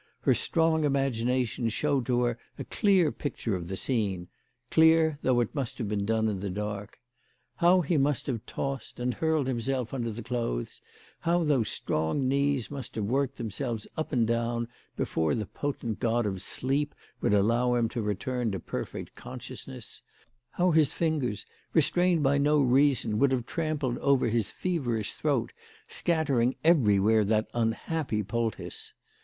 Her strong imagination showed to her a clear picture of the scene, clear, though it must have been done in the dark. How he must have tossed and hurled himself under the clothes; how those strong knees must have worked themselves up and down before the potent god of sleep would allow him to return to perfect consciousness; how his fingers, restrained by no reason, would have trampled over his feverish throat, scattering every where that unhappy poultice